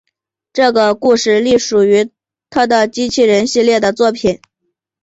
这个故事隶属于他的机器人系列的作品。